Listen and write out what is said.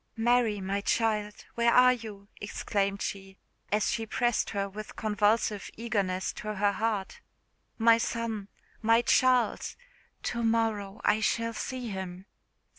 "Mary, my child, where are you?" exclaimed she, as she pressed her with convulsive eagerness to her heart. "My son! my Charles! to morrow I shall see him.